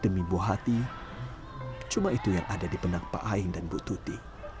demi buah hati cuma itu yang ada di benak pak aeng dan bu tuti